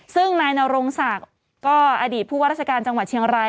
ซึ่งนายนรงศักดิ์ก็อดีตผู้ว่าราชการจังหวัดเชียงราย